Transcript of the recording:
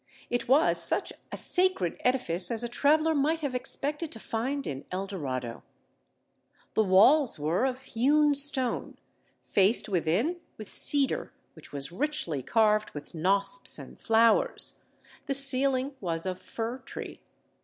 It was such a sacred edifice as a traveller might have expected to find in El Dorado. The walls were of hewn stone, faced within with cedar which was richly carved with knosps and flowers; the ceiling was of fir tree.